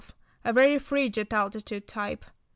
A very frigid altitude type.